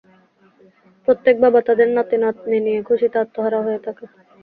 প্রত্যেক বাবা তাদের নাতি-নাতনী নিয়ে খুশীতে আত্মহারা হয়ে থাকে।